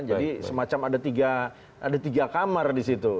jadi semacam ada tiga kamar di situ